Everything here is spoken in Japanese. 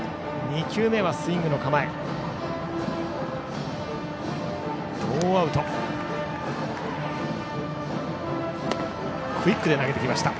２球目はスイングの構えでした。